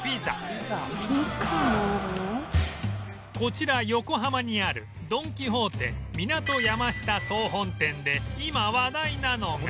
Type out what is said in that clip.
こちら横浜にあるドン・キホーテ港山下総本店で今話題なのが